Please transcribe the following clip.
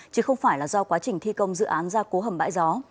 chứ không phải là do quá trình thi công dự án ra cố hầm bãi gió